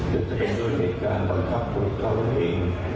จนเป็นโดยเหตุการณ์บังคับคนเขาเอง